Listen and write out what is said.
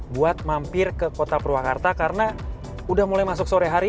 buat mampir ke kota purwakarta karena udah mulai masuk sore hari